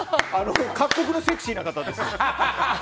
各国のセクシーな方ですよ。